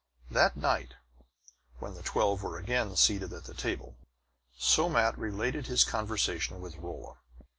That night, when the twelve were again seated at the table, Somat related this conversation with Rolla.